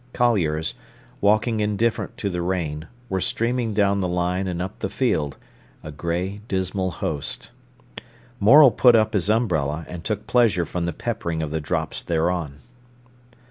Colliers, walking indifferent to the rain, were streaming down the line and up the field, a grey, dismal host. Morel put up his umbrella, and took pleasure from the peppering of the drops thereon.